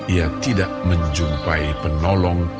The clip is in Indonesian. ia tidak menjumpai penolong